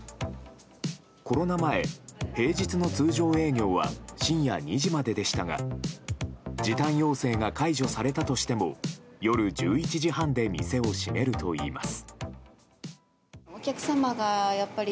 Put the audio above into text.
コロナ前、平日の通常営業は深夜２時まででしたが時短要請が解除されたとしても夜１１時半で店を閉めるといいます。